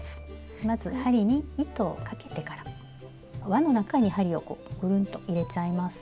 まず針に糸をかけてからわの中に針をくるんと入れちゃいます。